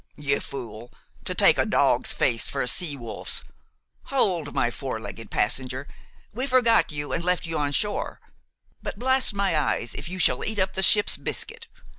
"You fool! to take a dog's face for a sea wolf's! Hold! my four legged passenger, we forgot you and left you on shore; but, blast my eyes, if you shall eat up the ship's biscuit!